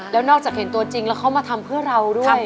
แล้วนอกจากเห็นตัวจริงแล้วเขามาทำเพื่อเราด้วย